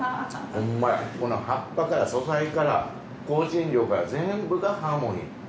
ホンマやこの葉っぱから素材から香辛料から全部がハーモニー。